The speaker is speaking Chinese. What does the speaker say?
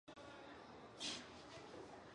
因此城市的捷克人减少并很大程度德国化。